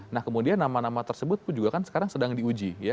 nah kemudian nama nama tersebut pun juga kan sekarang sedang diuji ya